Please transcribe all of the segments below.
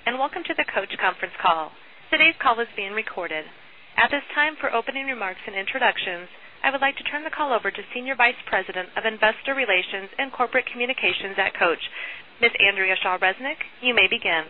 Good day, and welcome to the Coach Conference call. Today's call is being recorded. At this time, for opening remarks and introductions, I would like to turn the call over to Senior Vice President of Investor Relations and Corporate Communications at Coach, Ms. Andrea Shaw Resnick. You may begin.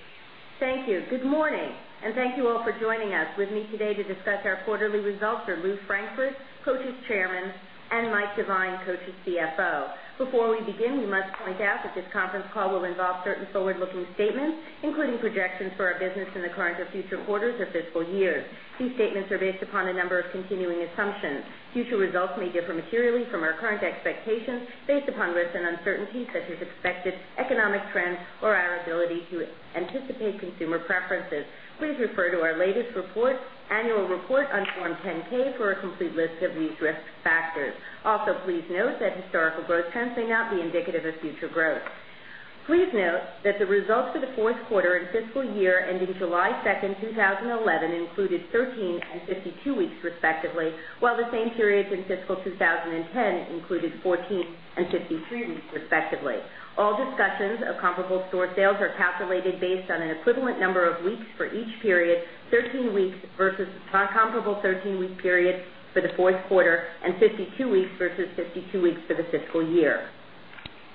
Thank you. Good morning, and thank you all for joining us. With me today to discuss our quarterly results are Lew Frankfort, Coach's Chairman, and Mike Devine, Coach's CFO. Before we begin, we must point out that this conference call will involve certain forward-looking statements, including projections for our business in the current or future quarters or fiscal year. These statements are based upon a number of continuing assumptions. Future results may differ materially from our current expectations based upon risks and uncertainties such as expected economic trends or our ability to anticipate consumer preferences. Please refer to our latest report, Annual Report on Form 10-K, for a complete list of these risk factors. Also, please note that historical growth trends may not be indicative of future growth. Please note that the results for the fourth quarter and fiscal year ending July 2nd, 2011, included 13 and 52 weeks, respectively, while the same periods in fiscal 2010 included 14 and 53 weeks, respectively. All discussions of comparable store sales are calculated based on an equivalent number of weeks for each period: 13 weeks versus a comparable 13-week period for the fourth quarter and 52 weeks versus 52 weeks for the fiscal year.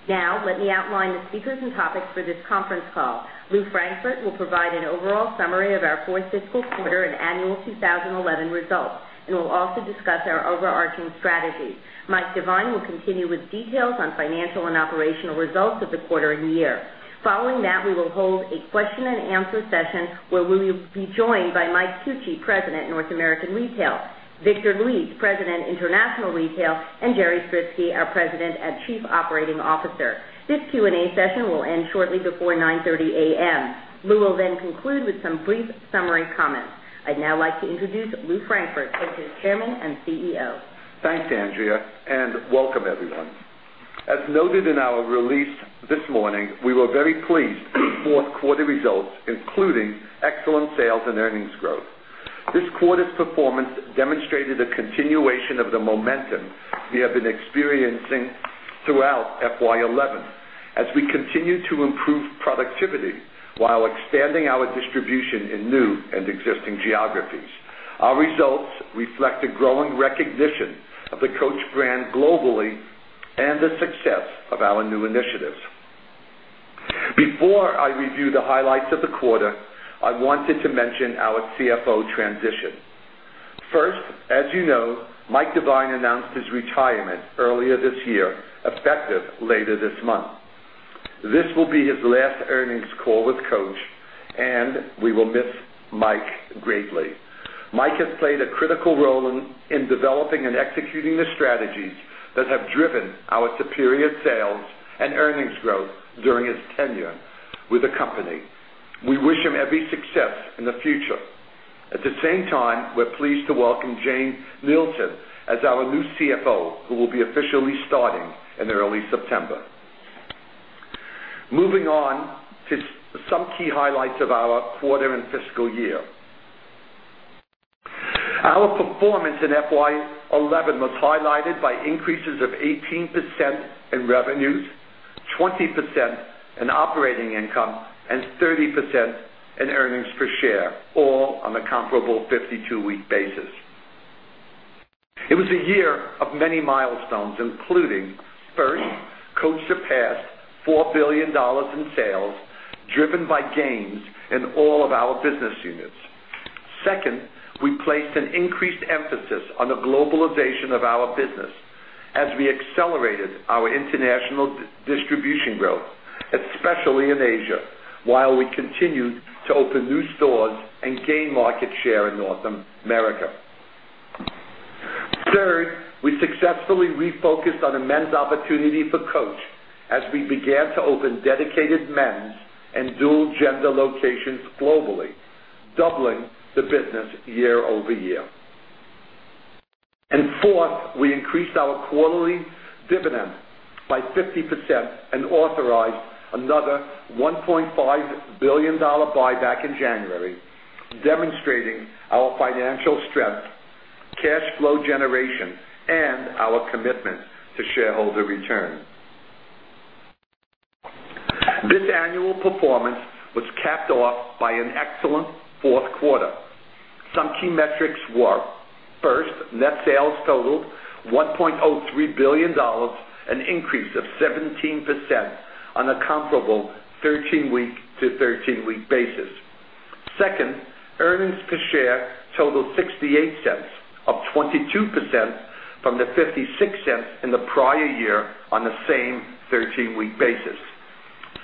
Now, let me outline the speakers and topics for this conference call. Lew Frankfort will provide an overall summary of our fourth fiscal quarter and annual 2011 results, and we'll also discuss our overarching strategy. Mike Devine will continue with details on financial and operational results of the quarter and year. Following that, we will hold a question and answer session where we will be joined by Mike Tucci, President, North American Retail; Victor Luis, President, International Retail; and Jerry Stritzke, our President and Chief Operating Officer. This Q&A session will end shortly before 9:30 A.M. We will then conclude with some brief summary comments. I'd now like to introduce Lew Frankfort, Coach's Chairman and CEO. Thanks, Andrea, and welcome, everyone. As noted in our release this morning, we were very pleased with the fourth quarter results, including excellent sales and earnings growth. This quarter's performance demonstrated a continuation of the momentum we have been experiencing throughout FY 2011, as we continue to improve productivity while expanding our distribution in new and existing geographies. Our results reflect a growing recognition of the Coach brand globally and the success of our new initiatives. Before I review the highlights of the quarter, I wanted to mention our CFO transition. First, as you know, Mike Devine announced his retirement earlier this year, effective later this month. This will be his last earnings call with Coach, and we will miss Mike greatly. Mike has played a critical role in developing and executing the strategies that have driven our superior sales and earnings growth during his tenure with the company. We wish him every success in the future. At the same time, we're pleased to welcome Jane Nielsen as our new CFO, who will be officially starting in early September. Moving on to some key highlights of our quarter and fiscal year. Our performance in FY 2011 was highlighted by increases of 18% in revenues, 20% in operating income, and 30% in earnings per share, all on a comparable 52-week basis. It was a year of many milestones, including, first, Coach surpassed $4 billion in sales, driven by gains in all of our business units. Second, we placed an increased emphasis on the globalization of our business, as we accelerated our international distribution growth, especially in Asia, while we continued to open new stores and gain market share in North America. Third, we successfully refocused on a men's opportunity for Coach, as we began to open dedicated men's and dual-gender locations globally, doubling the business year over year. Fourth, we increased our quarterly dividend by 50% and authorized another $1.5 billion buyback in January, demonstrating our financial strength, cash flow generation, and our commitment to shareholder return. This annual performance was capped off by an excellent fourth quarter. Some key metrics were: first, net sales totaled $1.03 billion, an increase of 17% on a comparable 13-week to 13-week basis. Second, earnings per share totaled $0.68, up 22% from the $0.56 in the prior year on the same 13-week basis.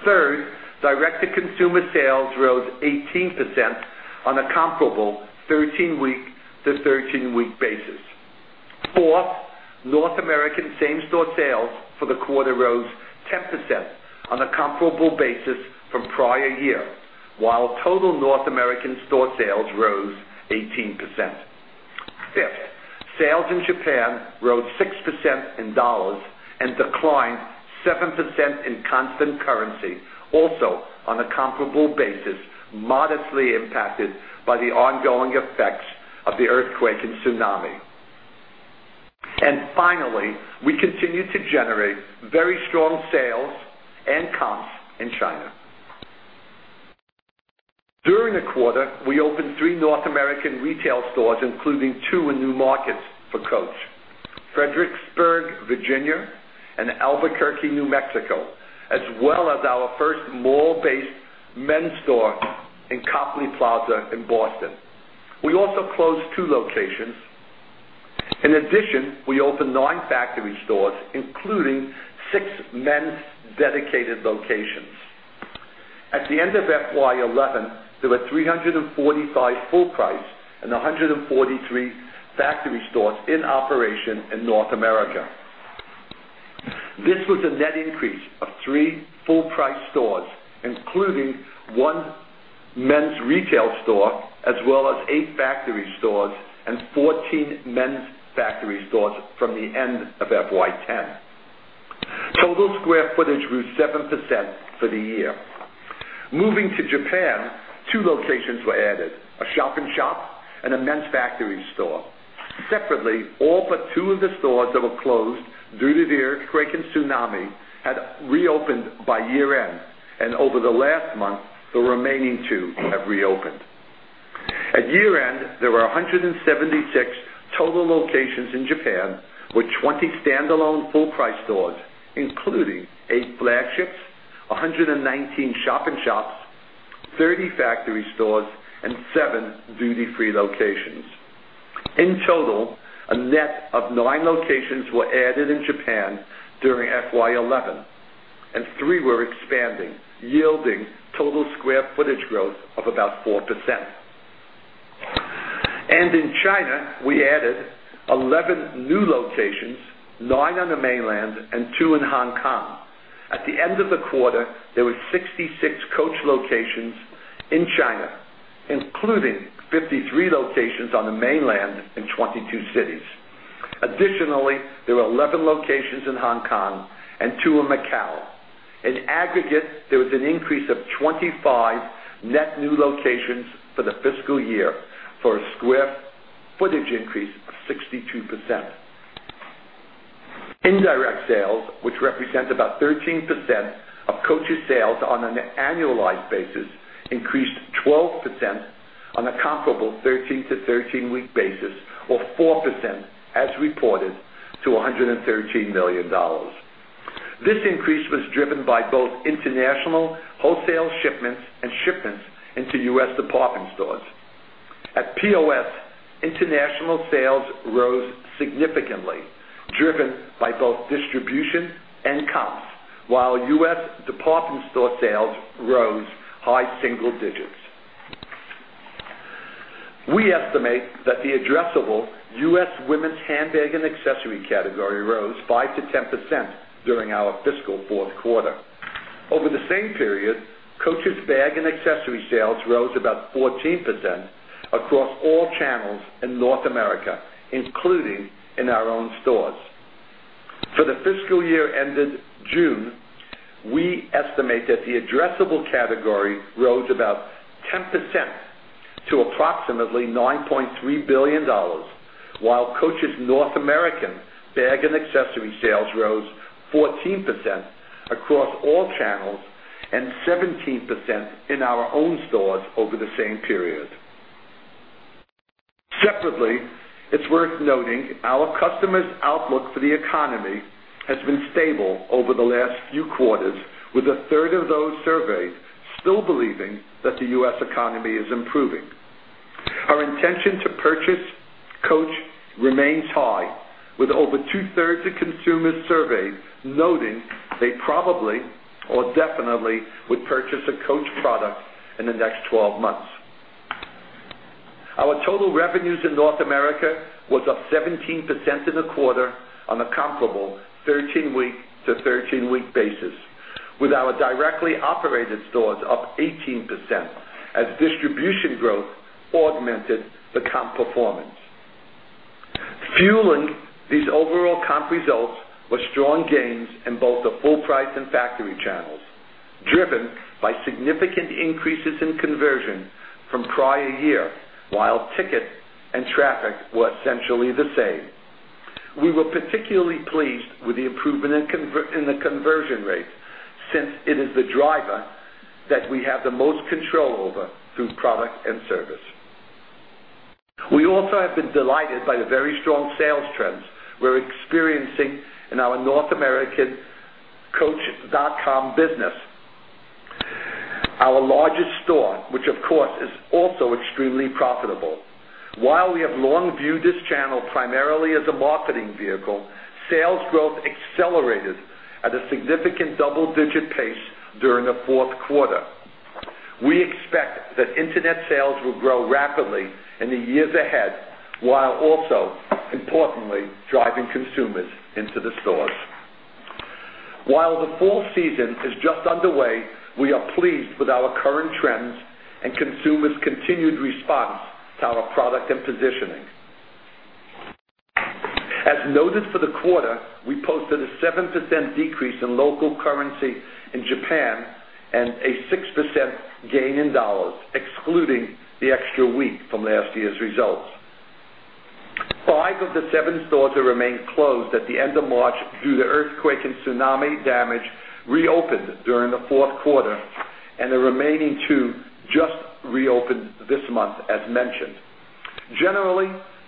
Third, direct-to-consumer sales rose 18% on a comparable 13-week to 13-week basis. Fourth, North American same-store sales for the quarter rose 10% on a comparable basis from prior year, while total North American store sales rose 18%. Fifth, sales in Japan rose 6% in dollars and declined 7% in constant currency, also on a comparable basis, modestly impacted by the ongoing effects of the earthquake and tsunami. Finally, we continue to generate very strong sales and comps in China. During the quarter, we opened three North American retail stores, including two in new markets for Coach: Fredericksburg, Virginia, and Albuquerque, New Mexico, as well as our first mall-based men's store in Copley Plaza in Boston. We also closed two locations. In addition, we opened nine factory stores, including six men's dedicated locations. At the end of FY 2011, there were 345 full-priced and 143 factory stores in operation in North America. This was a net increase of three full-priced stores, including one men's retail store, as well as eight factory stores and 14 men's factory stores from the end of FY 2010. Total square footage grew 7% for the year. Moving to Japan, two locations were added: a shop and shop and a men's factory store. Separately, all but two of the stores that were closed due to the earthquake and tsunami had reopened by year-end, and over the last month, the remaining two have reopened. At year-end, there were 176 total locations in Japan, with 20 standalone full-priced stores, including eight flagships, 119 shop and shops, 30 factory stores, and seven duty-free locations. In total, a net of nine locations were added in Japan during FY 2011, and three were expanding, yielding total square footage growth of about 4%. In China, we added 11 new locations, nine on the mainland and two in Hong Kong. At the end of the quarter, there were 66 Coach locations in China, including 53 locations on the mainland and 22 cities. Additionally, there were 11 locations in Hong Kong and two in Macau. In aggregate, there was an increase of 25 net new locations for the fiscal year, for a square footage increase of 62%. Indirect sales, which represent about 13% of Coach's sales on an annualized basis, increased 12% on a comparable 13-to-13-week basis, or 4% as reported, to $113 million. This increase was driven by both international wholesale shipments and shipments into U.S. department stores. At POS, international sales rose significantly, driven by both distribution and comps, while U.S. department store sales rose high single digits. We estimate that the addressable U.S. women's handbag and accessory category rose 5% - 10% during our fiscal fourth quarter. Over the same period, Coach's bag and accessory sales rose about 14% across all channels in North America, including in our own stores. For the fiscal year ended June, we estimate that the addressable category rose about 10% to approximately $9.3 billion, while Coach's North American bag and accessory sales rose 14% across all channels and 17% in our own stores over the same period. Separately, it's worth noting our customers' outlook for the economy has been stable over the last few quarters, with a third of those surveyed still believing that the U.S. economy is improving. Our intention to purchase Coach remains high, with over two-thirds of consumers surveyed noting they probably or definitely would purchase a Coach product in the next 12 months. Our total revenues in North America were up 17% in the quarter on a comparable 13-week to 13-week basis, with our directly operated stores up 18% as distribution growth augmented the comp performance. Fueling these overall comp results were strong gains in both the full-priced and factory channels, driven by significant increases in conversion from prior year, while ticket and traffic were essentially the same. We were particularly pleased with the improvement in the conversion rates, since it is the driver that we have the most control over through product and service. We also have been delighted by the very strong sales trends we're experiencing in our North American coach.com business, our largest store, which, of course, is also extremely profitable. While we have long viewed this channel primarily as a marketing vehicle, sales growth accelerated at a significant double-digit pace during the fourth quarter. We expect that internet sales will grow rapidly in the years ahead, while also, importantly, driving consumers into the stores. While the fall season is just underway, we are pleased with our current trends and consumers' continued response to our product and positioning. As noted for the quarter, we posted a 7% decrease in local currency in Japan and a 6% gain in dollars, excluding the extra week from last year's results. Five of the seven stores that remained closed at the end of March due to earthquake and tsunami damage reopened during the fourth quarter, and the remaining two just reopened this month, as mentioned. Generally,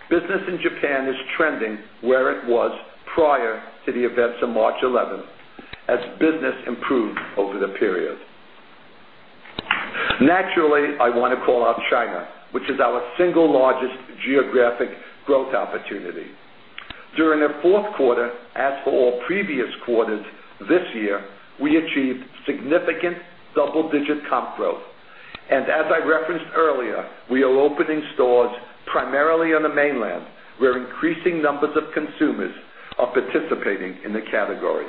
business in Japan is trending where it was prior to the events on March 11, as business improved over the period. Naturally, I want to call out China, which is our single largest geographic growth opportunity. During the fourth quarter, as for all previous quarters this year, we achieved significant double-digit comp growth. As I referenced earlier, we are opening stores primarily on the mainland, where increasing numbers of consumers are participating in the category.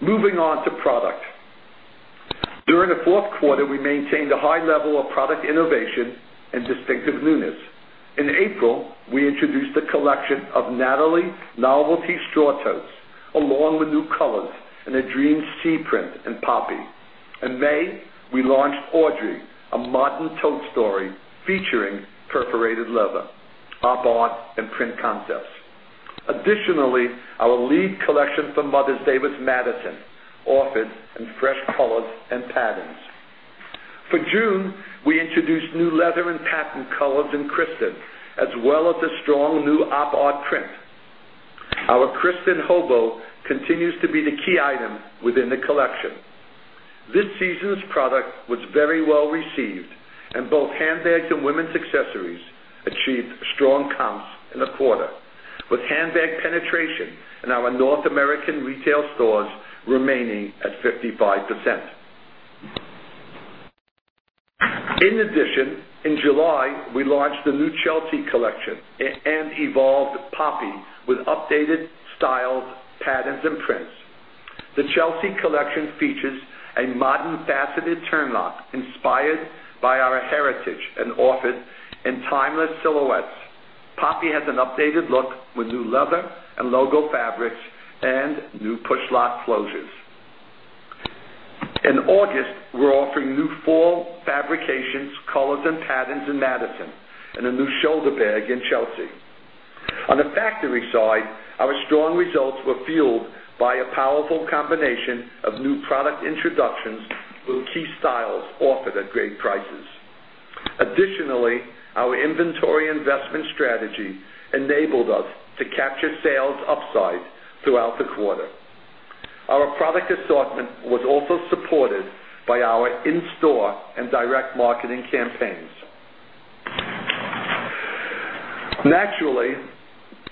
Moving on to product. During the fourth quarter, we maintained a high level of product innovation and distinctive newness. In April, we introduced the collection of Natalie novelty straw totes, along with new colors in a dream sea print and Poppy. In May, we launched Audrey, a modern tote story featuring perforated leather, Op-Art, and print concepts. Additionally, our lead collection for Mother's Day was Madison, offered in fresh colors and patterns. For June, we introduced new leather and pattern colors in Kristin, as well as a strong new Op-Art print. Our Kristin Hobo continues to be the key item within the collection. This season's product was very well received, and both handbags and women's accessories achieved strong comps in the quarter, with handbag penetration in our North American retail stores remaining at 55%. In addition, in July, we launched the new Chelsea collection and evolved Poppy with updated styles, patterns, and prints. The Chelsea collection features a modern, faceted turn lock inspired by our heritage and offered in timeless silhouettes. Poppy had an updated look with new leather and logo fabrics and new push lock closures. In August, we're offering new fall fabrications, colors, and patterns in Madison, and a new shoulder bag in Chelsea. On the factory side, our strong results were fueled by a powerful combination of new product introductions with key styles offered at great prices. Additionally, our inventory investment strategy enabled us to capture sales upside throughout the quarter. Our product assortment was also supported by our in-store and direct marketing campaigns. Naturally,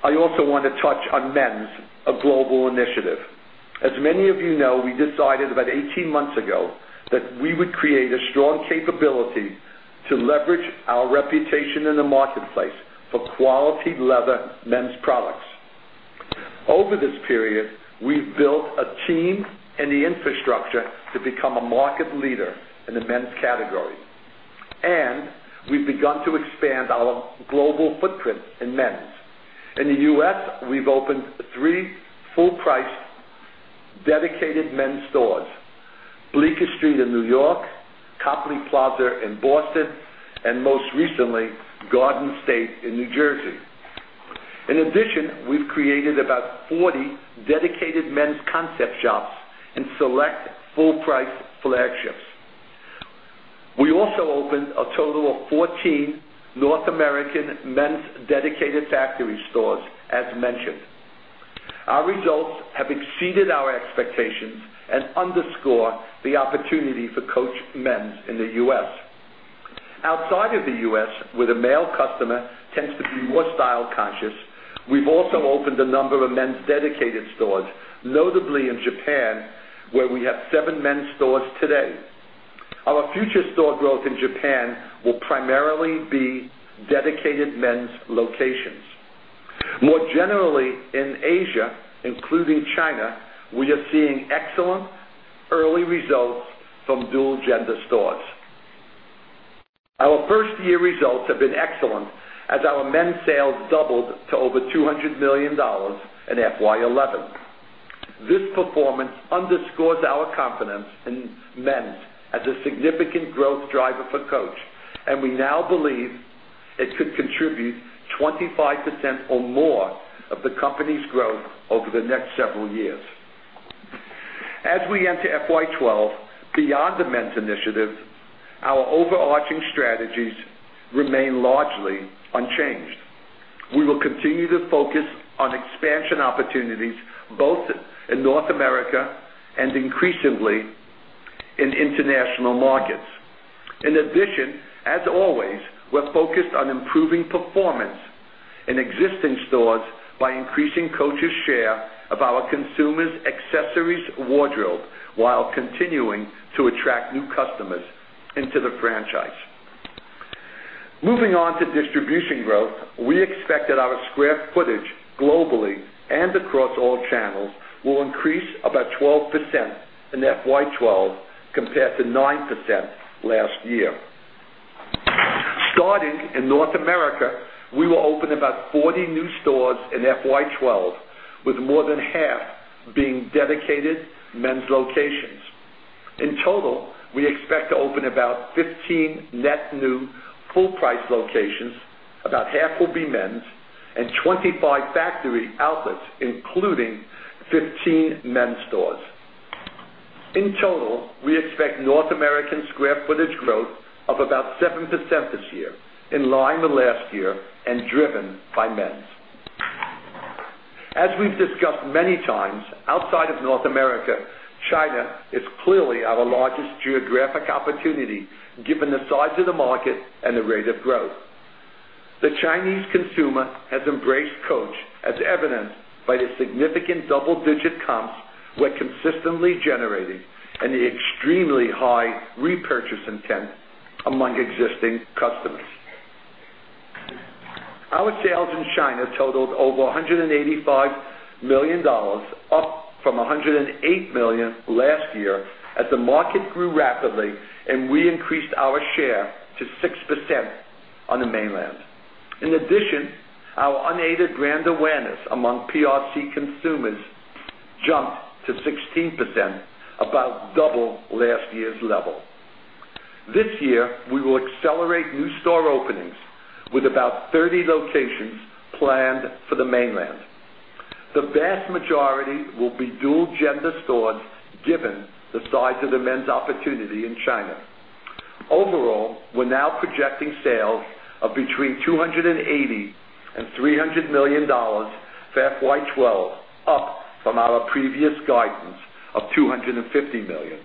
I also want to touch on men's, a global initiative. As many of you know, we decided about 18 months ago that we would create a strong capability to leverage our reputation in the marketplace for quality leather men's products. Over this period, we've built a team and the infrastructure to become a market leader in the men's category, and we've begun to expand our global footprint in men's. In the U.S., we've opened three full-priced dedicated men's stores: Bleecker Street in New York, Copley Plaza in Boston, and most recently, Garden State in New Jersey. In addition, we've created about 40 dedicated men's concept shops and select full-priced flagships. We also opened a total of 14 North American men's dedicated factory stores, as mentioned. Our results have exceeded our expectations and underscore the opportunity for Coach men's in the U.S. Outside of the U.S., where the male customer tends to be more style conscious, we've also opened a number of men's dedicated stores, notably in Japan, where we have seven men's stores today. Our future store growth in Japan will primarily be dedicated men's locations. More generally, in Asia, including China, we are seeing excellent early results from dual-gender stores. Our first-year results have been excellent, as our men's sales doubled to over $200 million in FY 2011. This performance underscores our confidence in men's as a significant growth driver for Coach, and we now believe it could contribute 25% or more of the company's growth over the next several years. As we enter FY 2012, beyond the men's initiatives, our overarching strategies remain largely unchanged. We will continue to focus on expansion opportunities, both in North America and increasingly in international markets. In addition, as always, we're focused on improving performance in existing stores by increasing Coach's share of our consumers' accessories wardrobe, while continuing to attract new customers into the franchise. Moving on to distribution growth, we expect that our square footage globally and across all channels will increase about 12% in FY 2012 compared to 9% last year. Starting in North America, we will open about 40 new stores in FY 2012, with more than half being dedicated men's locations. In total, we expect to open about 15 net new full-priced locations, about half will be men's, and 25 factory outlets, including 15 men's stores. In total, we expect North American square footage growth of about 7% this year, in line with last year and driven by men's. As we've discussed many times, outside of North America, China is clearly our largest geographic opportunity, given the size of the market and the rate of growth. The Chinese consumer has embraced Coach, as evidenced by the significant double-digit comps we're consistently generating and the extremely high repurchase intent among existing customers. Our sales in China totaled over $185 million, up from $108 million last year, as the market grew rapidly and we increased our share to 6% on the mainland. In addition, our unaided brand awareness among PRC consumers jumped to 16%, about double last year's level. This year, we will accelerate new store openings with about 30 locations planned for the mainland. The vast majority will be dual-gender stores, given the size of the men's opportunity in China. Overall, we're now projecting sales of between $280 million and $300 million for FY 2012, up from our previous guidance of $250 million.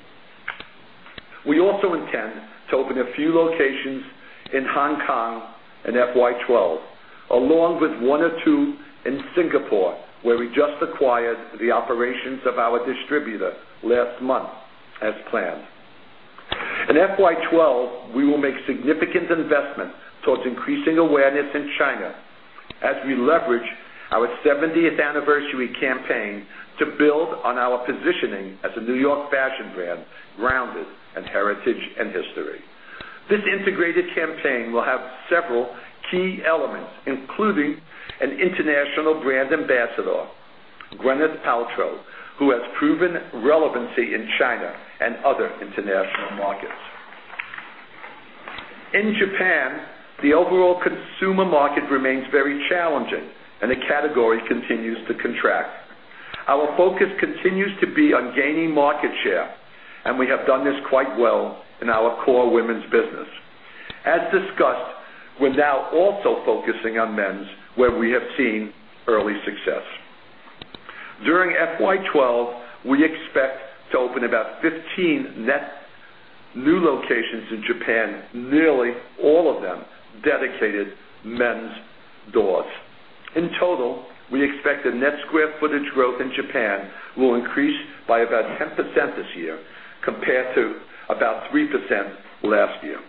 We also intend to open a few locations in Hong Kong in FY 2012, along with one or two in Singapore, where we just acquired the operations of our distributor last month, as planned. In FY 2012, we will make significant investments towards increasing awareness in China, as we leverage our 70th anniversary campaign to build on our positioning as a New York fashion brand, grounded in heritage and history. This integrated campaign will have several key elements, including an international brand ambassador, Gwyneth Paltrow, who has proven relevancy in China and other international markets. In Japan, the overall consumer market remains very challenging, and the category continues to contract. Our focus continues to be on gaining market share, and we have done this quite well in our core women's business. As discussed, we're now also focusing on men's, where we have seen early success. During FY 2012, we expect to open about 15 net new locations in Japan, nearly all of them dedicated men's stores. In total, we expect the net square footage growth in Japan will increase by about 10% this year, compared to about 3% last year.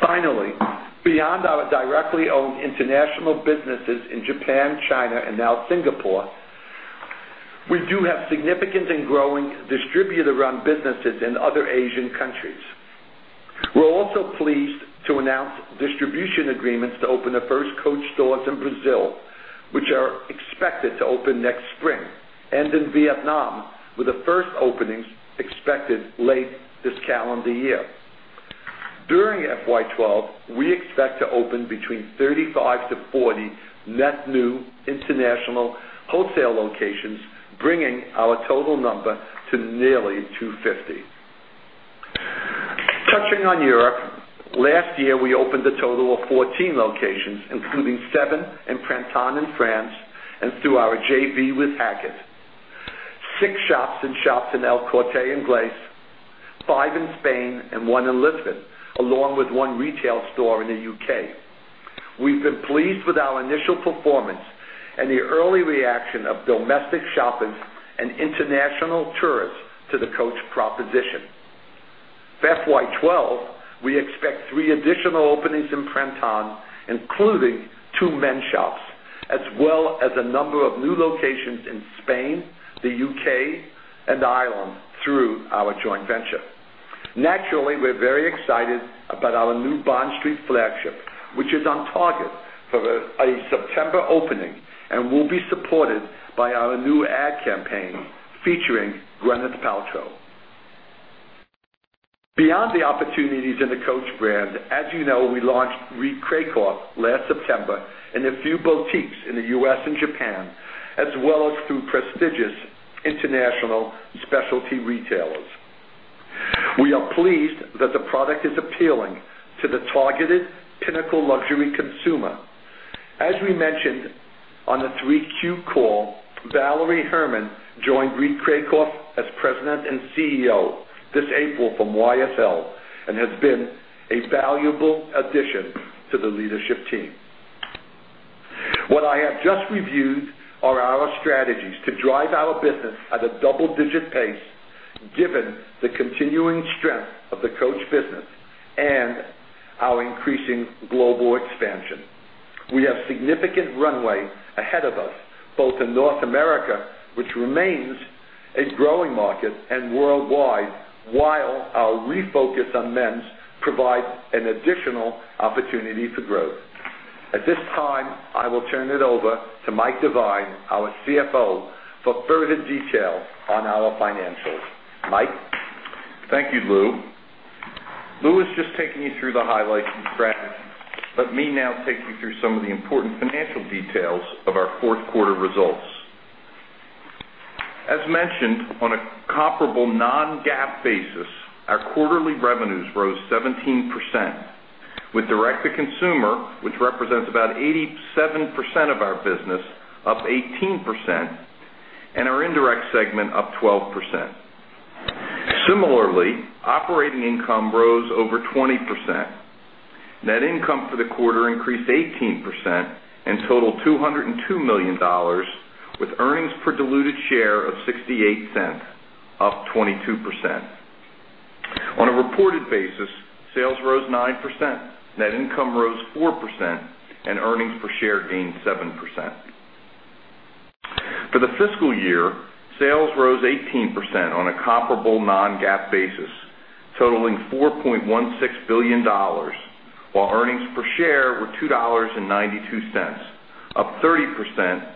Finally, beyond our directly owned international businesses in Japan, China, and now Singapore, we do have significant and growing distributor-run businesses in other Asian countries. We're also pleased to announce distribution agreements to open the first Coach stores in Brazil, which are expected to open next spring, and in Vietnam, with the first openings expected late this calendar year. During FY 2012, we expect to open between 35 40 net new international hotel locations, bringing our total number to nearly 250. Touching on Europe, last year we opened a total of 14 locations, including seven in Printemps in France and through our joint venture with Hackett, six shops and shops in El Corte Inglés, five in Spain, and one in Lisbon, along with one retail store in the U.K. We've been pleased with our initial performance and the early reaction of domestic shoppers and international tourists to the Coach proposition. For FY 2012, we expect three additional openings in Printemps, including two men's shops, as well as a number of new locations in Spain, the U.K., and Ireland through our joint venture. Naturally, we're very excited about our new Bond Street flagship, which is on target for a September opening and will be supported by our new ad campaign featuring Gwyneth Paltrow. Beyond the opportunities in the Coach brand, as you know, we launched Reed Krakoff last September in a few boutiques in the U.S. and Japan, as well as through prestigious international specialty retailers. We are pleased that the product is appealing to the targeted pinnacle luxury consumer. As we mentioned on the 3Q call, Valerie Hermann joined Reed Krakoff as President and CEO this April from YSL and has been a valuable addition to the leadership team. What I have just reviewed are our strategies to drive our business at a double-digit pace, given the continuing strength of the Coach business and our increasing global expansion. We have significant runway ahead of us, both in North America, which remains a growing market, and worldwide, while our refocus on men's provides an additional opportunity for growth. At this time, I will turn it over to Mike Devine, our CFO, for further detail on our financials. Mike? Thank you, Lew. Lew has just taken you through the highlights and trends, let me now take you through some of the important financial details of our fourth quarter results. As mentioned, on a comparable non-GAAP basis, our quarterly revenues rose 17%, with direct-to-consumer, which represents about 87% of our business, up 18%, and our indirect segment up 12%. Similarly, operating income rose over 20%. Net income for the quarter increased 18% and totaled $202 million, with earnings per diluted share of $0.68, up 22%. On a reported basis, sales rose 9%, net income rose 4%, and earnings per share gained 7%. For the fiscal year, sales rose 18% on a comparable non-GAAP basis, totaling $4.16 billion, while earnings per share were $2.92, up 30%,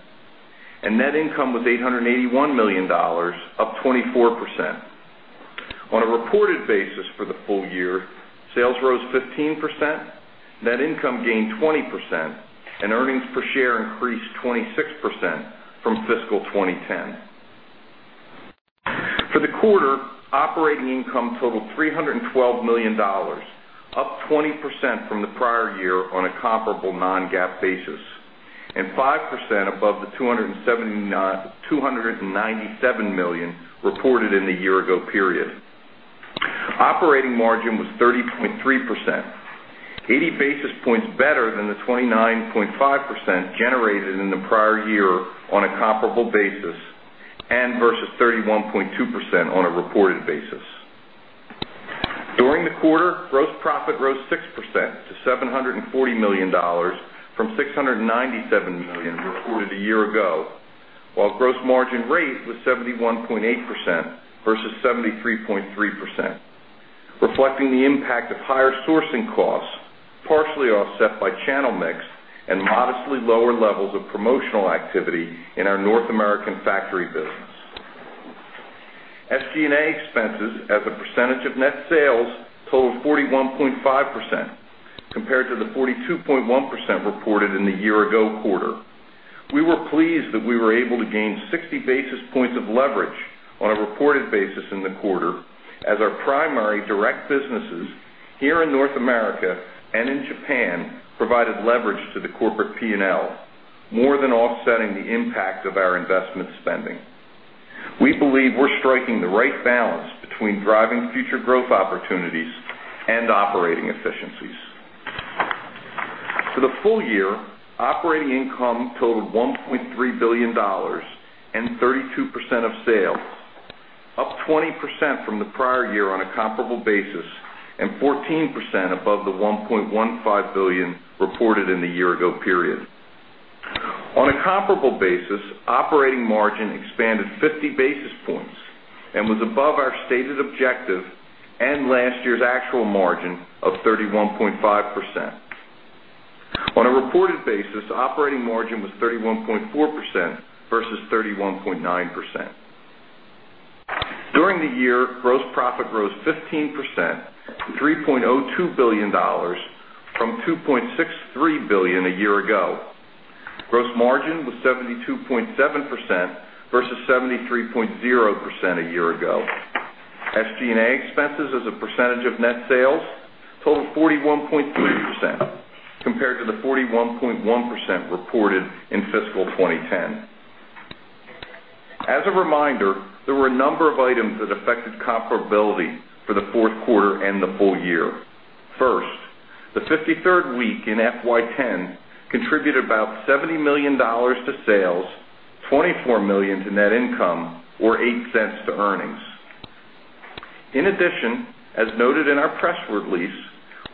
and net income was $881 million, up 24%. On a reported basis for the full year, sales rose 15%, net income gained 20%, and earnings per share increased 26% from fiscal 2010. For the quarter, operating income totaled $312 million, up 20% from the prior year on a comparable non-GAAP basis, and 5% above the $297 million reported in the year-ago period. Operating margin was 30.3%, 80 basis points better than the 29.5% generated in the prior year on a comparable basis and versus 31.2% on a reported basis. During the quarter, gross profit rose 6% to $740 million, from $697 million reported a year ago, while gross margin rate was 71.8% versus 73.3%, reflecting the impact of higher sourcing costs, partially offset by channel mix and modestly lower levels of promotional activity in our North American factory bid. SG&A expenses, as a percentage of net sales, totaled 41.5%, compared to the 42.1% reported in the year-ago quarter. We were pleased that we were able to gain 60 basis points of leverage on a reported basis in the quarter, as our primary direct businesses here in North America and in Japan provided leverage to the corporate P&L, more than offsetting the impact of our investment spending. We believe we're striking the right balance between driving future growth opportunities and operating efficiencies. For the full year, operating income totaled $1.3 billion and 32% of sales, up 20% from the prior year on a comparable basis and 14% above the $1.15 billion reported in the year-ago period. On a comparable basis, operating margin expanded 50 basis points and was above our stated objective and last year's actual margin of 31.5%. On a reported basis, operating margin was 31.4% versus 31.9%. During the year, gross profit rose 15%, $3.02 billion, from $2.63 billion a year ago. Gross margin was 72.7% versus 73.0% a year ago. SG&A expenses, as a percentage of net sales, totaled 41.3%, compared to the 41.1% reported in fiscal 2010. As a reminder, there were a number of items that affected comparability for the fourth quarter and the full year. First, the 53rd week in FY 2010 contributed about $70 million to sales, $24 million to net income, or $0.08 to earnings. In addition, as noted in our press release,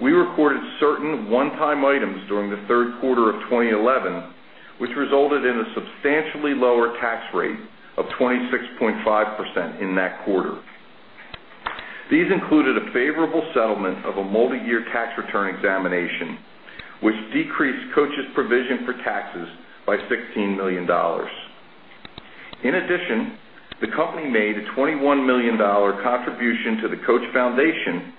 we recorded certain one-time items during the third quarter of 2011, which resulted in a substantially lower tax rate of 26.5% in that quarter. These included a favorable settlement of a multi-year tax return examination, which decreased Coachs' provision for taxes by $16 million. In addition, the company made a $21 million contribution to the Coach Foundation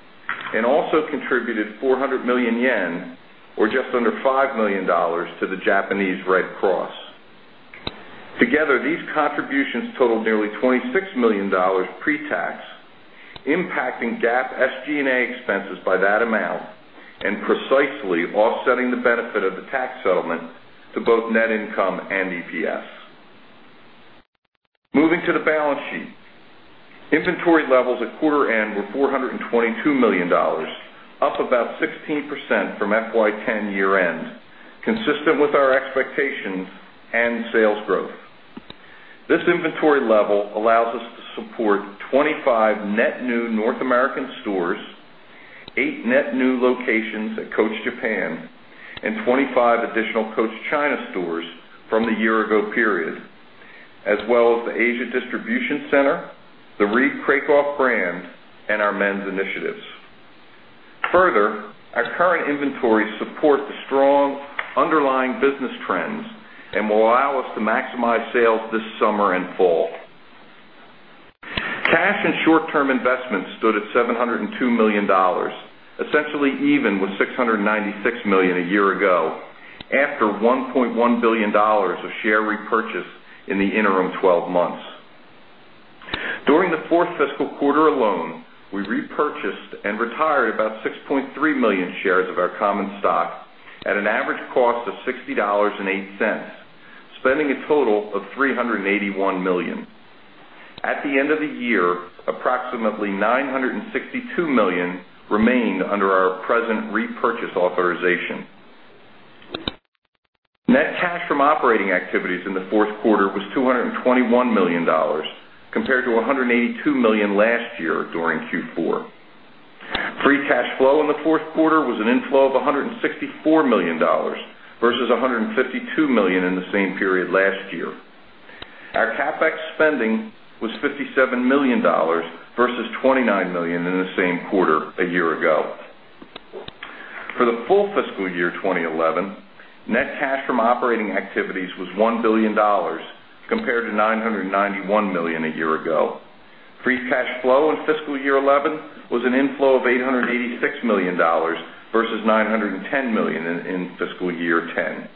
and also contributed 400 million yen, or just under $5 million, to the Japanese Red Cross. Together, these contributions totaled nearly $26 million pre-tax, impacting GAAP SG&A expenses by that amount and precisely offsetting the benefit of the tax settlement to both net income and EPS. Moving to the balance sheet, inventory levels at quarter end were $422 million, up about 16% from FY2010 year-end, consistent with our expectations and sales growth. This inventory level allows us to support 25 net new North American stores, eight net new locations at Coach Japan, and 25 additional Coach China stores from the year-ago period, as well as the Asia distribution center, the Reed Krakoff brand, and our men's initiatives. Further, our current inventories support the strong underlying business trends and will allow us to maximize sales this summer and fall. Cash and short-term investments stood at $702 million, essentially even with $696 million a year ago, after $1.1 billion of share repurchase in the interim 12 months. During the fourth fiscal quarter alone, we repurchased and retired about 6.3 million shares of our common stock at an average cost of $60.08, spending a total of $381 million. At the end of the year, approximately $962 million remained under our present repurchase authorization. Net cash from operating activities in the fourth quarter was $221 million, compared to $182 million last year during Q4. Free cash flow in the fourth quarter was an inflow of $164 million versus $152 million in the same period last year. Our CapEx spending was $57 million versus $29 million in the same quarter a year ago. For the full fiscal year 2011, net cash from operating activities was $1 billion, compared to $991 million a year ago. Free cash flow in fiscal year 2011 was an inflow of $886 million versus $910 million in fiscal year 2010.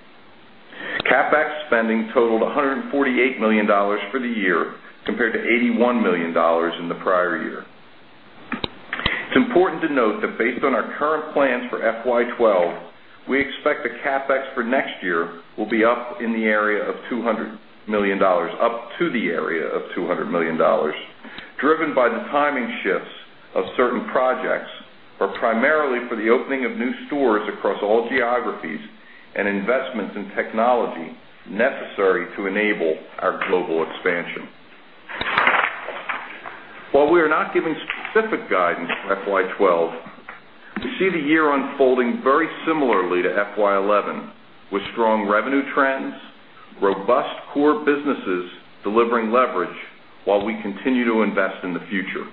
CapEx spending totaled $148 million for the year, compared to $81 million in the prior year. It's important to note that based on our current plans for FY 2012, we expect the CapEx for next year will be up in the area of $200 million, up to the area of $200 million, driven by the timing shifts of certain projects, primarily for the opening of new stores across all geographies and investments in technology necessary to enable our global expansion. While we are not giving specific guidance for FY 2012, we see the year unfolding very similarly to FY 2011, with strong revenue trends, robust core businesses delivering leverage, while we continue to invest in the future.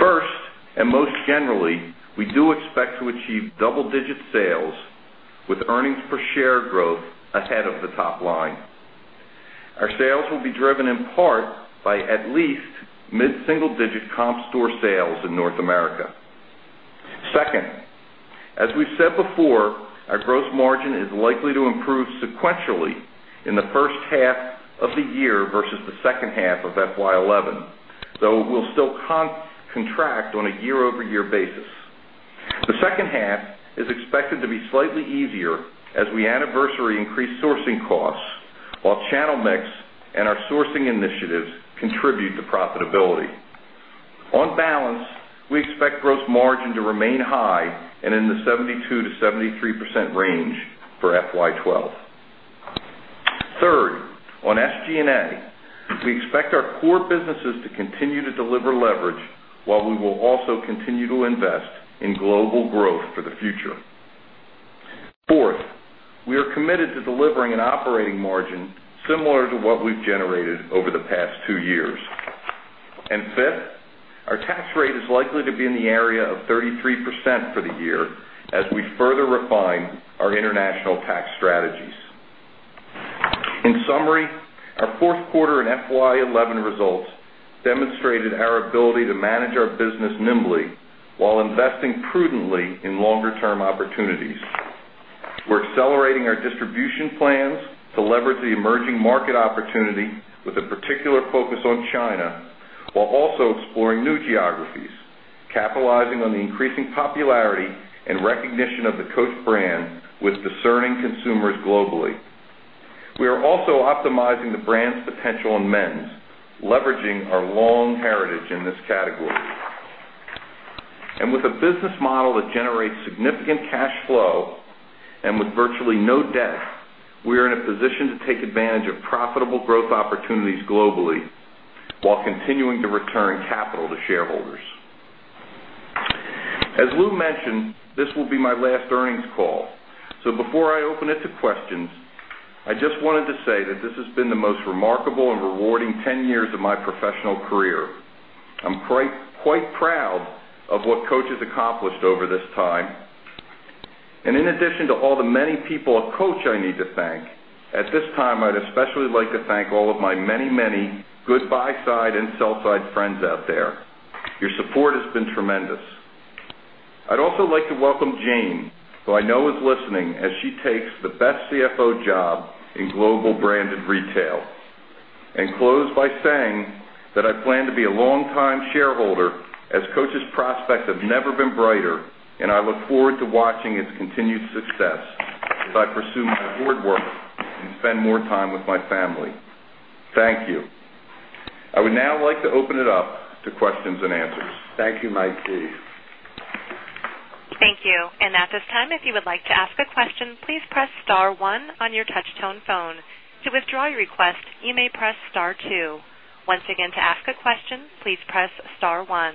First, and most generally, we do expect to achieve double-digit sales with earnings per share growth ahead of the top line. Our sales will be driven in part by at least mid-single-digit comp store sales in North America. Second, as we've said before, our gross margin is likely to improve sequentially in the first half of the year versus the second half of FY 2011, though we'll still contract on a year-over-year basis. The second half is expected to be slightly easier as we anniversary increase sourcing costs, while channel mix and our sourcing initiatives contribute to profitability. On balance, we expect gross margin to remain high and in the 72% - 73% range for FY 2012. Third, on SG&A, we expect our core businesses to continue to deliver leverage, while we will also continue to invest in global growth for the future. Fourth, we are committed to delivering an operating margin similar to what we've generated over the past two years. Fifth, our tax rate is likely to be in the area of 33% for the year as we further refine our international tax strategies. In summary, our fourth quarter and FY 2011 results demonstrated our ability to manage our business nimbly while investing prudently in longer-term opportunities. We're accelerating our distribution plans to leverage the emerging market opportunity with a particular focus on China, while also exploring new geographies, capitalizing on the increasing popularity and recognition of the Coach brand with discerning consumers globally. We are also optimizing the brand's potential in men's, leveraging our long heritage in this category. With a business model that generates significant cash flow and with virtually no debt, we are in a position to take advantage of profitable growth opportunities globally while continuing to return capital to shareholders. As Lew Frankfort mentioned, this will be my last earnings call, so before I open it to questions, I just wanted to say that this has been the most remarkable and rewarding 10 years of my professional career. I'm quite proud of what Coach has accomplished over this time. In addition to all the many people at Coach I need to thank, at this time I'd especially like to thank all of my many, many good buy-side and sell-side friends out there. Your support has been tremendous. I'd also like to welcome Jane, who I know is listening as she takes the best CFO job in global branded retail, and close by saying that I plan to be a long-time shareholder as Coach's prospects have never been brighter, and I look forward to watching its continued success as I pursue more work and spend more time with my family. Thank you. I would now like to open it up to questions and answers. Thank you, Mike D. Thank you. At this time, if you would like to ask a question, please press star one on your touch-tone phone. To withdraw your request, you may press star two. Once again, to ask a question, please press star one.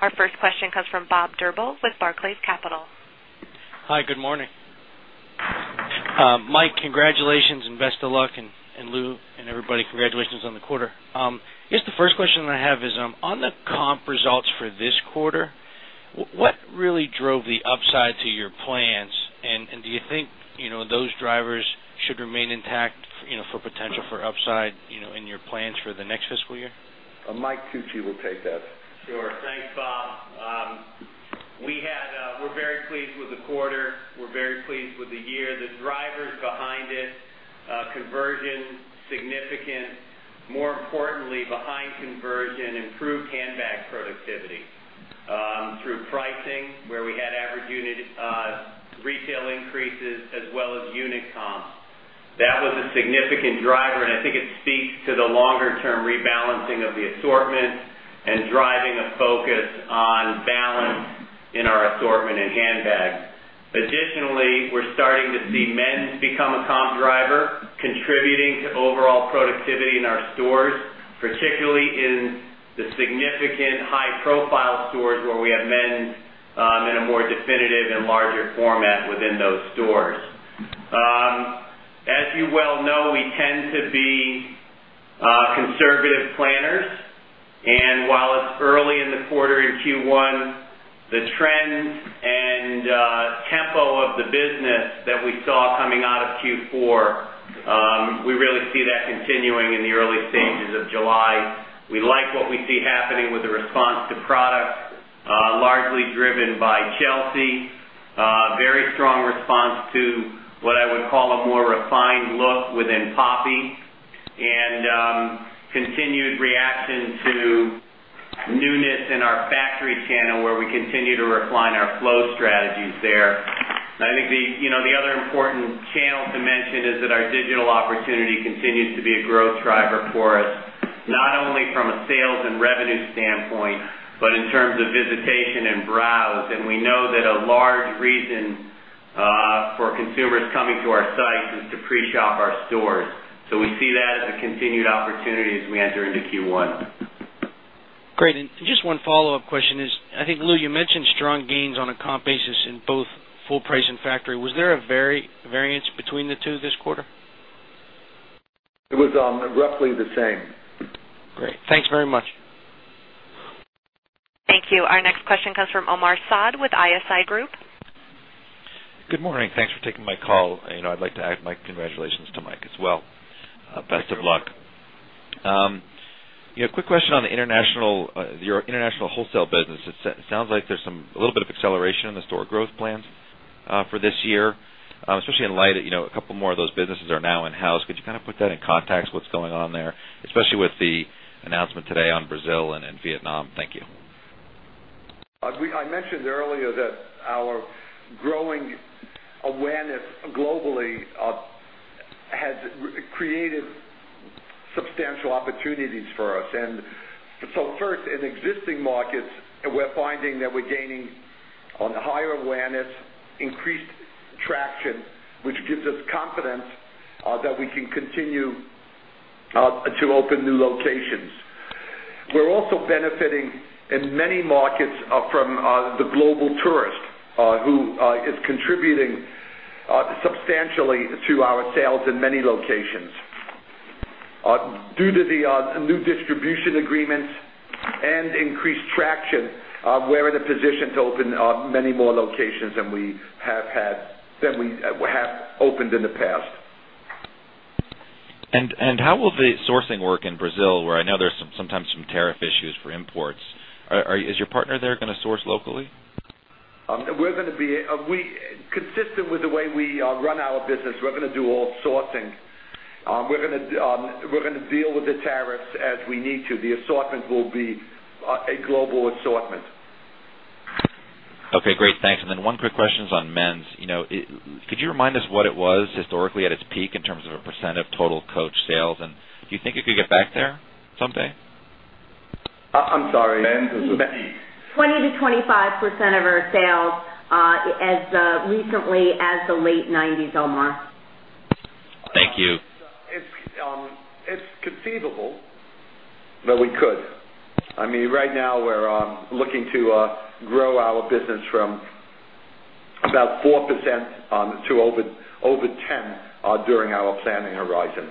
Our first question comes from Bob Drabble with Barclays Capital. Hi, good morning. Mike, congratulations, and best of luck, and Lew and everybody, congratulations on the quarter. I guess the first question that I have is, on the comp results for this quarter, what really drove the upside to your plans? Do you think those drivers should remain intact for potential for upside in your plans for the next fiscal year? Mike Devine will take that. Sure. Thanks, Bob. We had, we're very pleased with the quarter. We're very pleased with the year. The drivers behind it, conversions, significant. More importantly, behind conversion, improved handbag productivity, through pricing, where we had average unit retail increases, as well as unit comps. That was a significant driver, and I think it speaks to the longer-term rebalancing of the assortment and driving a focus on balance in our assortment and handbags. Additionally, we're starting to see men's become a comp driver, contributing to overall productivity in our stores, particularly in the significant high-profile stores where we have men's, in a more definitive and larger format within those stores. As you well know, we tend to be conservative planners. While it's early in the quarter in Q1, the trends and tempo of the business that we saw coming out of Q4, we really see that continuing in the early stages of July. We like what we see happening with the response to product, largely driven by Chelsea, very strong response to what I would call a more refined look within Poppy and continued reaction to newness in our factory channel, where we continue to refine our flow strategies there. I think the other important channel to mention is that our digital opportunity continues to be a growth driver for us, not only from a sales and revenue standpoint, but in terms of visitation and browse. We know that a large reason for consumers coming to our sites is to pre-shop our stores. We see that as a continued opportunity as we enter into Q1. Great. Just one follow-up question is, I think Lew, you mentioned strong gains on a comp basis in both full price and factory. Was there a variance between the two this quarter? It was roughly the same. Great. Thanks very much. Thank you. Our next question comes from Omar Saad with ISI Group. Good morning. Thanks for taking my call. I'd like to add my congratulations to Mike as well. Best of luck. A quick question on your international wholesale business. It sounds like there's a little bit of acceleration in the store growth plans for this year, especially in light of a couple more of those businesses now being in-house. Could you put that in context? What's going on there, especially with the announcement today on Brazil and Vietnam? Thank you. I mentioned earlier that our growing awareness globally has created substantial opportunities for us. First, in existing markets, we're finding that we're gaining on higher awareness and increased traction, which gives us confidence that we can continue to open new locations. We're also benefiting in many markets from the global tourist, who is contributing substantially to our sales in many locations. Due to the new distribution agreements and increased traction, we're in a position to open many more locations than we have had, than we have opened in the past. How will the sourcing work in Brazil, where I know there's sometimes some tariff issues for imports? Is your partner there going to source locally? We're going to be, consistent with the way we run our business, we're going to do all sorting. We're going to deal with the tariffs as we need to. The assortment will be a global assortment. Okay, great. Thanks. One quick question is on men's. Could you remind us what it was historically at its peak in terms of a % of total Coach sales? Do you think it could get back there someday? I'm sorry. Men's is a peak. 20% - 25% of our sales, as recently as the late 1990s, Omar. Thank you. It's conceivable that we could. Right now we're looking to grow our business from about 4% to over 10% during our planning horizon.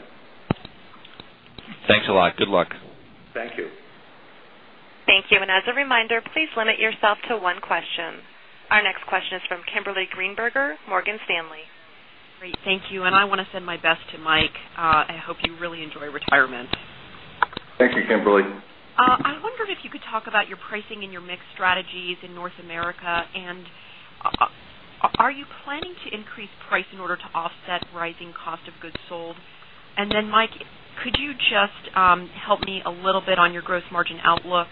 Thanks a lot. Good luck. Thank you. Thank you. As a reminder, please limit yourself to one question. Our next question is from Kimberly Greenberger, Morgan Stanley. Great. Thank you. I want to send my best to Mike. I hope you really enjoy retirement. Thank you, Kimberly. I wondered if you could talk about your pricing and your mixed strategies in North America. Are you planning to increase price in order to offset rising cost of goods sold? Mike, could you help me a little bit on your gross margin outlook?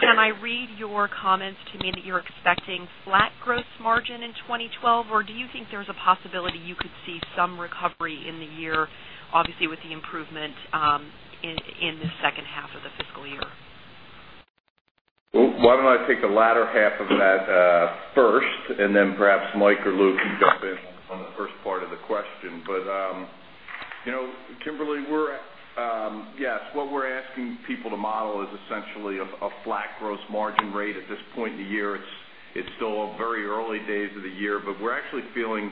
Can I read your comments to mean that you're expecting flat gross margin in 2012, or do you think there's a possibility you could see some recovery in the year, obviously with the improvement in the second half of the fiscal year? Why don't I take the latter half of that first, and then perhaps Mike or Lew can jump in on the first part of the question. You know, Kimberly, yes, what we're asking people to model is essentially a flat gross margin rate at this point in the year. It's still very early days of the year, but we're actually feeling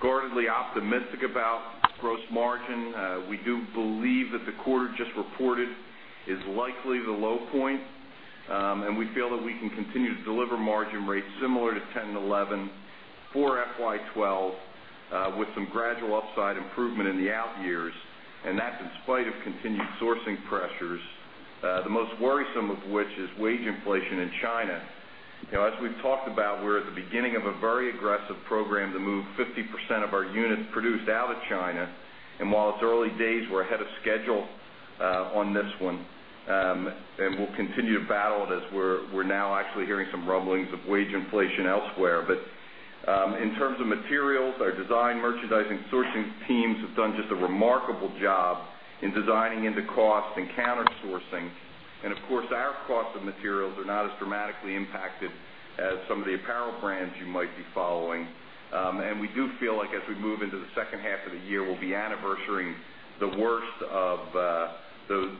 guardedly optimistic about gross margin. We do believe that the quarter just reported is likely the low point, and we feel that we can continue to deliver margin rates similar to 2010 and 2011 for FY 2012, with some gradual upside improvement in the out years. That's in spite of continued sourcing pressures, the most worrisome of which is wage inflation in China. As we've talked about, we're at the beginning of a very aggressive program to move 50% of our units produced out of China. While it's early days, we're ahead of schedule on this one, and we'll continue to battle it as we're now actually hearing some rumblings of wage inflation elsewhere. In terms of materials, our design merchandising sourcing teams have done just a remarkable job in designing into cost and counter-sourcing. Of course, our cost of materials are not as dramatically impacted as some of the apparel brands you might be following. We do feel like as we move into the second half of the year, we'll be anniversarying the worst of those,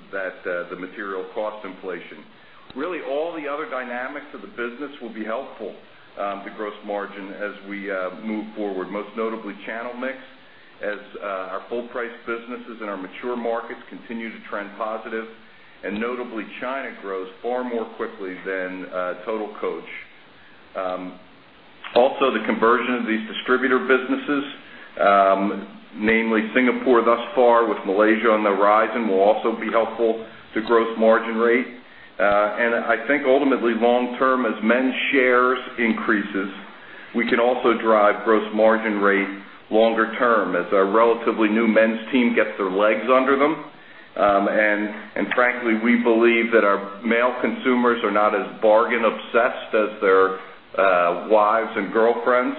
the material cost inflation. Really, all the other dynamics of the business will be helpful to gross margin as we move forward, most notably channel mix, as our full-priced businesses in our mature markets continue to trend positive, and notably China grows far more quickly than total Coach. Also, the conversion of these distributor businesses, namely Singapore thus far with Malaysia on the horizon, will also be helpful to gross margin rate. I think ultimately, long-term, as men's shares increase, we can also drive gross margin rate longer term as our relatively new men's team gets their legs under them. Frankly, we believe that our male consumers are not as bargain-obsessed as their wives and girlfriends.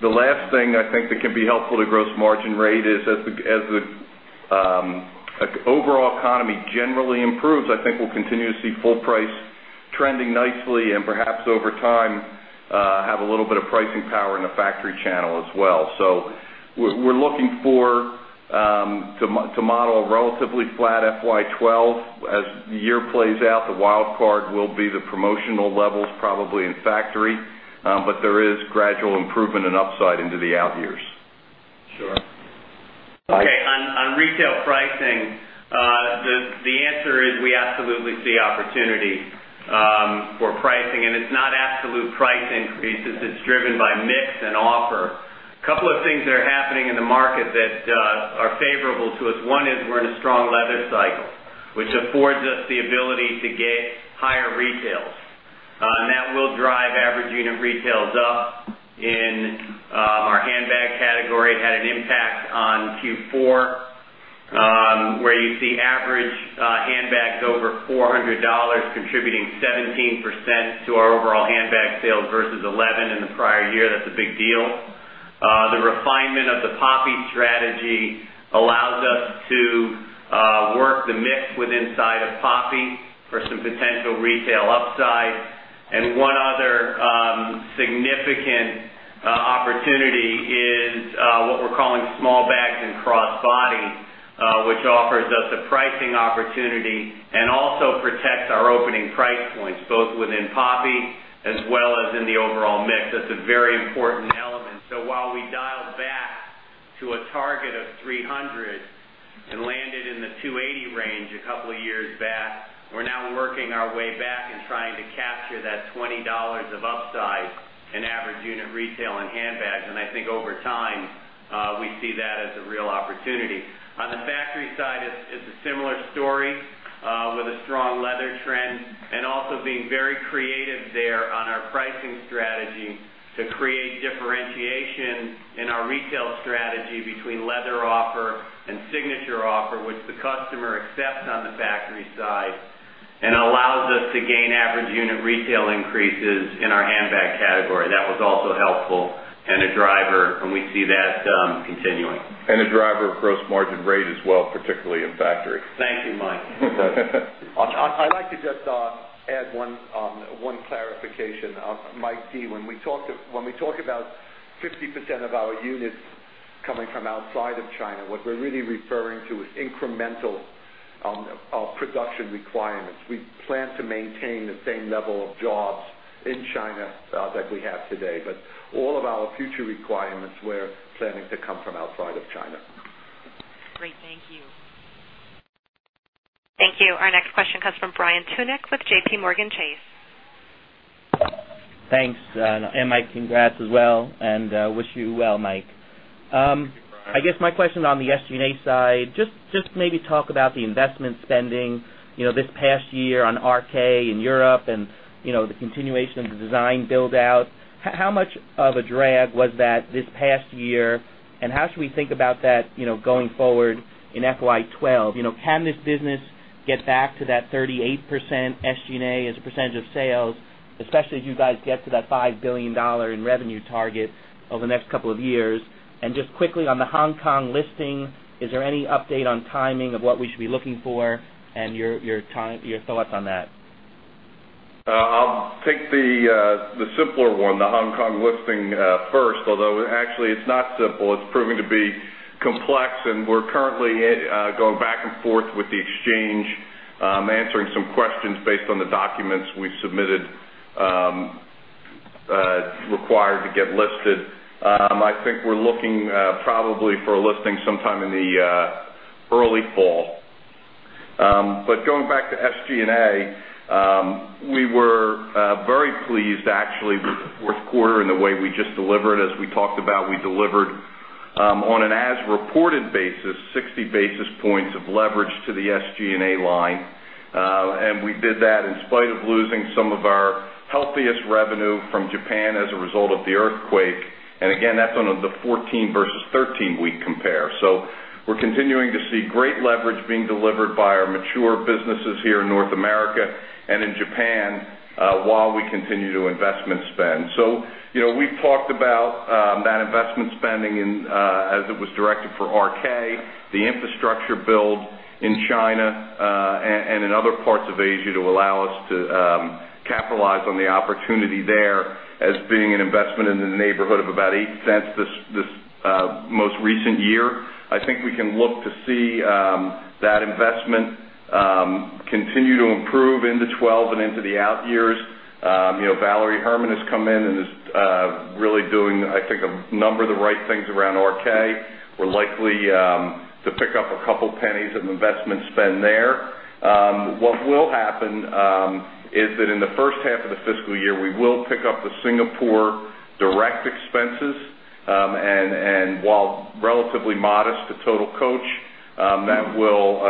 The last thing I think that can be helpful to gross margin rate is as the overall economy generally improves, I think we'll continue to see full price trending nicely and perhaps over time, have a little bit of pricing power in the factory channel as well. We're looking for, to model a relatively flat FY 2012. As the year plays out, the wild card will be the promotional levels probably in factory, but there is gradual improvement and upside into the out years. Sure. Okay. On retail pricing, the answer is we absolutely see opportunity for pricing, and it's not absolute price increases. It's driven by mix and offer. A couple of things that are happening in the market that are favorable to us. One is we're in a strong leather cycle, which affords us the ability to get higher retails, and that will drive average unit retails up in our handbag category. It had an impact on Q4, where you see average handbags over $400 contributing 17% to our overall handbag sales versus 11% in the prior year. That's a big deal. The refinement of the Poppy strategy allows us to work the mix inside of Poppy for some potential retail upside. One other significant opportunity is what we're calling small bags and cross-body, which offers us a pricing opportunity and also protects our opening price points, both within Poppy as well as in the overall mix. That's a very important element. While we dialed back to a target of $300 and landed in the $280 range a couple of years back, we're now working our way back and trying to capture that $20 of upside in average unit retail in handbags. I think over time, we see that as a real opportunity. On the factory side, it's a similar story, with a strong leather trend and also being very creative there on our pricing strategy to create differentiation in our retail strategy between leather offer and signature offer, which the customer accepts on the factory side and allows us to gain average unit retail increases in our handbag category. That was also helpful and a driver, and we see that continuing. A driver of gross margin rate as well, particularly in factory. Thank you, Mike. I'd like to just add one clarification. Mike Devine, when we talk about 50% of our units coming from outside of China, what we're really referring to is incremental production requirements. We plan to maintain the same level of jobs in China that we have today, but all of our future requirements we're planning to come from outside of China. Great. Thank you. Thank you. Our next question comes from Brian Tunick with JPMorgan Chase. Thanks. Mike, congrats as well, and wish you well, Mike. My question is on the SG&A side. Maybe talk about the investment spending this past year on RK in Europe and the continuation of the design build-out. How much of a drag was that this past year, and how should we think about that going forward in FY 2012? Can this business get back to that 38% SG&A as a percentage of sales, especially as you get to that $5 billion in revenue target over the next couple of years? Quickly, on the Hong Kong listing, is there any update on timing of what we should be looking for and your thoughts on that? I'll take the simpler one, the Hong Kong listing, first, although actually it's not simple. It's proving to be complex, and we're currently going back and forth with the exchange, answering some questions based on the documents we submitted, required to get listed. I think we're looking, probably for a listing sometime in the early fall. Going back to SG&A, we were very pleased, actually, the fourth quarter in the way we just delivered. As we talked about, we delivered, on an as-reported basis, 60 basis points of leverage to the SG&A line, and we did that in spite of losing some of our healthiest revenue from Japan as a result of the earthquake. Again, that's on the 14 versus 13-week compare. We're continuing to see great leverage being delivered by our mature businesses here in North America and in Japan, while we continue to investment spend. We've talked about that investment spending in, as it was directed for RK, the infrastructure build in China, and in other parts of Asia to allow us to capitalize on the opportunity there as being an investment in the neighborhood of about $0.08 this most recent year. I think we can look to see that investment continue to improve into 2012 and into the out years. Valerie Herman has come in and is really doing, I think, a number of the right things around RK. We're likely to pick up a couple of pennies of investment spend there. What will happen is that in the first half of the fiscal year, we will pick up the Singapore direct expenses, and while relatively modest to total Coach, that will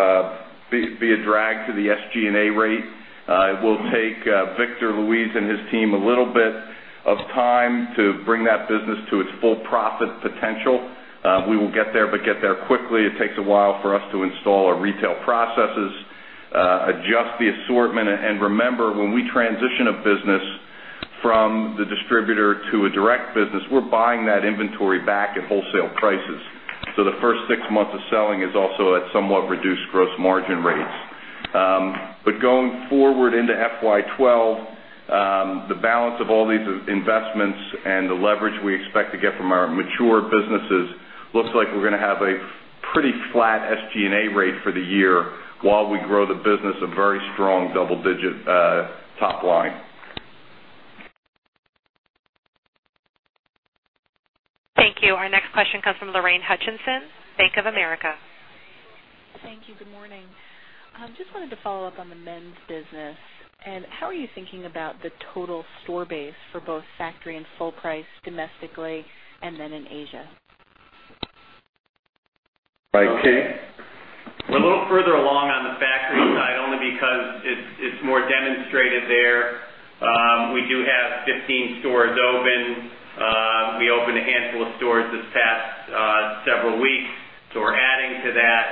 be a drag to the SG&A rate. It will take Victor Luis and his team a little bit of time to bring that business to its full profit potential. We will get there, but get there quickly. It takes a while for us to install our retail processes, adjust the assortment. Remember, when we transition a business from the distributor to a direct business, we're buying that inventory back at wholesale prices. The first six months of selling is also at somewhat reduced gross margin rates. Going forward into FY 2012, the balance of all these investments and the leverage we expect to get from our mature businesses looks like we're going to have a pretty flat SG&A rate for the year while we grow the business a very strong double-digit top line. Thank you. Our next question comes from Lorraine Hutchinson, Bank of America. Thank you. Good morning. I just wanted to follow up on the men's business. How are you thinking about the total store base for both factory and full price domestically, and then in Asia? Right, Kay? We're a little further along on the factory side only because it's more demonstrated there. We do have 15 stores open. We opened a handful of stores this past several weeks, so we're adding to that.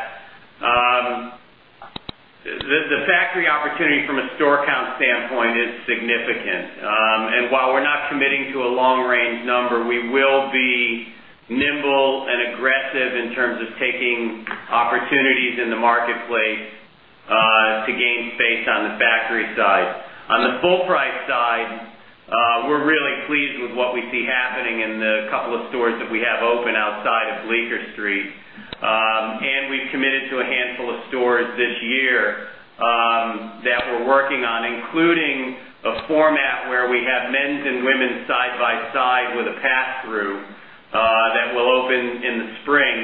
The factory opportunity from a store count standpoint is significant, and while we're not committing to a long-range number, we will be nimble and aggressive in terms of taking opportunities in the marketplace to gain space on the factory side. On the full price side, we're really pleased with what we see happening in the couple of stores that we have open outside of Bleecker Street. We've committed to a handful of stores this year that we're working on, including a format where we have men's and women's side by side with a pass-through that will open in the spring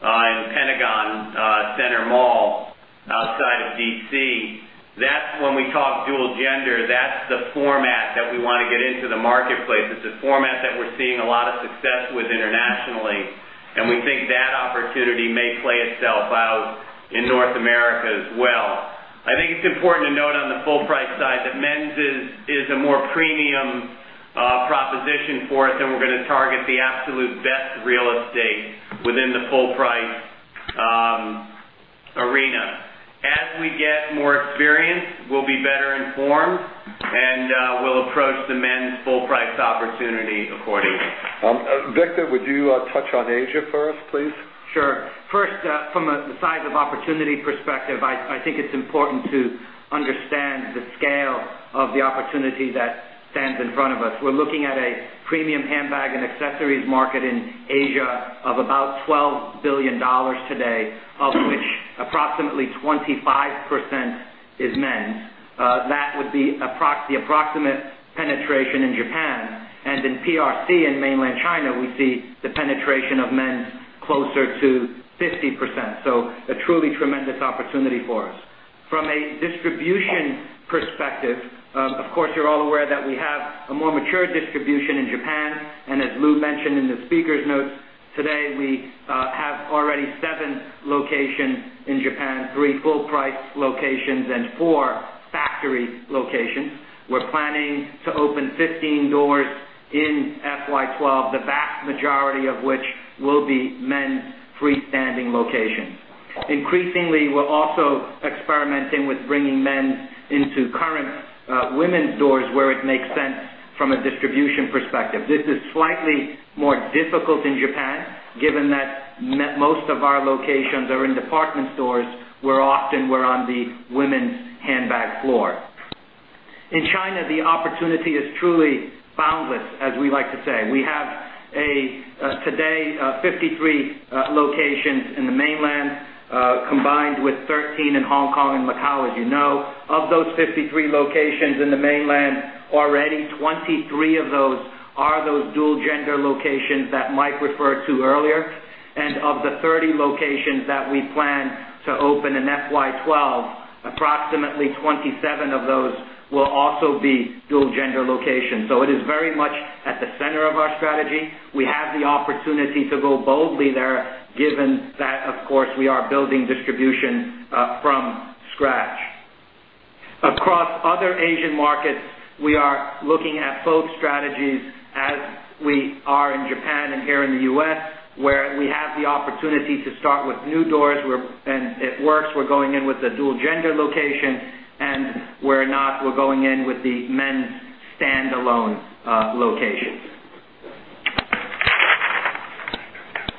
in Pentagon Center Mall outside of D.C. That's when we talk dual-gender. That's the format that we want to get into the marketplace. It's a format that we're seeing a lot of success with internationally, and we think that opportunity may play itself out in North America as well. I think it's important to note on the full price side that men's is a more premium proposition for it, and we're going to target the absolute best real estate within the full price arena. As we get more experience, we'll be better informed, and we'll approach the men's full price opportunity accordingly. Victor, would you touch on Asia for us, please? Sure. First, from the size of opportunity perspective, I think it's important to understand the scale of the opportunity that stands in front of us. We're looking at a premium handbag and accessories market in Asia of about $12 billion today, of which approximately 25% is men's. That would be the approximate penetration in Japan. In PRC and mainland China, we see the penetration of men's closer to 50%. A truly tremendous opportunity for us. From a distribution perspective, of course, you're all aware that we have a more mature distribution in Japan. As Lew mentioned in the speaker's note today, we have already seven locations in Japan, three full price locations and four factory locations. We're planning to open 15 doors in FY 2012, the vast majority of which will be men's freestanding locations. Increasingly, we're also experimenting with bringing men's into current women's doors where it makes sense from a distribution perspective. This is slightly more difficult in Japan, given that most of our locations are in department stores where often we're on the women's handbag floor. In China, the opportunity is truly boundless, as we like to say. We have today 53 locations in the mainland, combined with 13 in Hong Kong and Macau, as you know. Of those 53 locations in the mainland, already 23 of those are those dual-gender locations that Mike referred to earlier. Of the 30 locations that we plan to open in FY 2012, approximately 27 of those will also be dual-gender locations. It is very much at the center of our strategy. We have the opportunity to go boldly there, given that, of course, we are building distribution from scratch. Across other Asian markets, we are looking at full strategies as we are in Japan and here in the U.S., where we have the opportunity to start with new doors, and it works. We're going in with a dual-gender location, and we're not, we're going in with the men's standalone locations.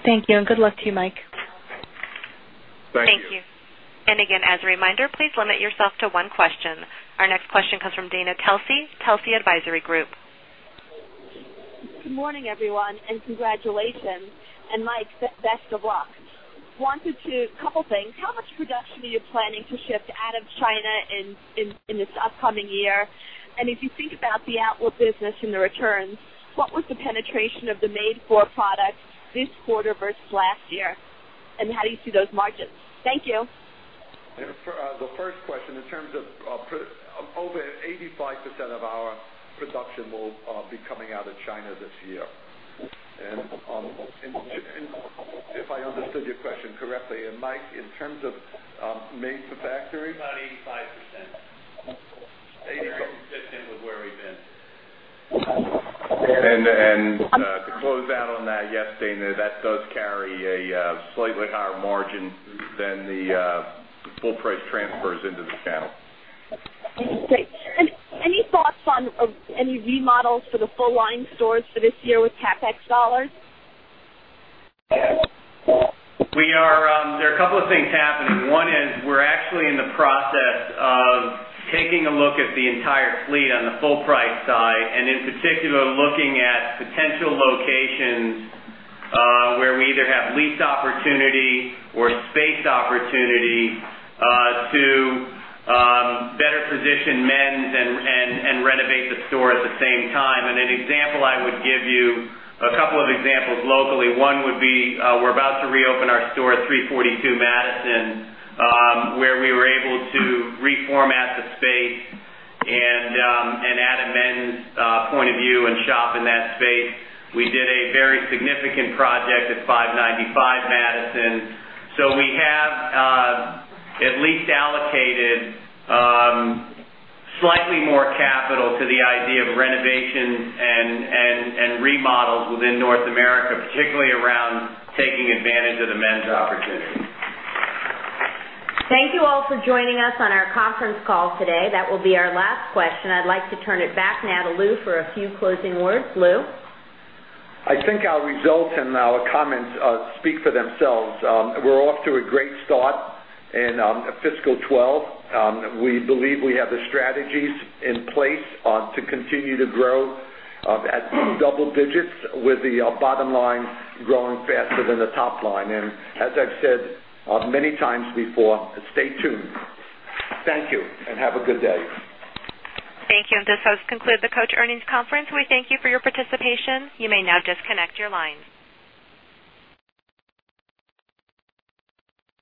Thank you. Good luck to you, Mike. Thank you. Thank you. As a reminder, please limit yourself to one question. Our next question comes from Dana Telsey, Telsey Advisory Group. Good morning, everyone, and congratulations. Mike, best of luck. I wanted to ask a couple of things. How much production are you planning to shift out of China in this upcoming year? If you think about the outlook business and the returns, what was the penetration of the made-for product this quarter versus last year, and how do you see those margins? Thank you. For the first question, in terms of over 85% of our production will be coming out of China this year. If I understood your question correctly, and Mike, in terms of made-for factory. About 85%. 80% fits in with where we've been. To close out on that, yes, Dana, that does carry a slightly higher margin than the full price transfers into the channel. there any thoughts on any remodels for the full line stores for this year with CapEx dollars? There are a couple of things happening. One is we're actually in the process of taking a look at the entire fleet on the full price side, and in particular looking at potential locations where we either have lease opportunity or space opportunity to better position men's and renovate the store at the same time. An example I would give you, a couple of examples locally. One would be, we're about to reopen our store at 342 Madison, where we were able to reformat the space and add a men's point of view and shop in that space. We did a very significant project at 595 Madison. We have at least allocated slightly more capital to the idea of renovation and remodels within North America, particularly around taking advantage of the men's opportunity. Thank you all for joining us on our conference call today. That will be our last question. I'd like to turn it back now to Lew for a few closing words. Lew? I think our results and our comments speak for themselves. We're off to a great start in fiscal 2012. We believe we have the strategies in place to continue to grow at double digits, with the bottom line growing faster than the top line. As I've said many times before, stay tuned. Thank you, and have a good day. Thank you. This has concluded the Coach Earnings Conference. We thank you for your participation. You may now disconnect your line.